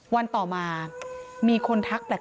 วันต่อมามีคนทักแปลก